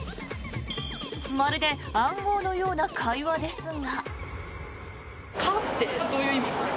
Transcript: まるで暗号のような会話ですが。